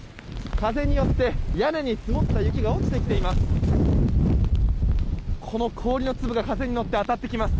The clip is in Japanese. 風によって、屋根に積もった雪が落ちてきています。